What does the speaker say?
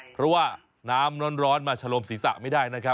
เพราะว่าน้ำร้อนมาชะลมศีรษะไม่ได้นะครับ